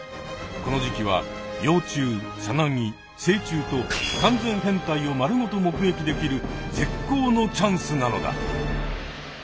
この時期は幼虫さなぎ成虫と完全変態を丸ごと目撃できる絶好のチャンスなのだ！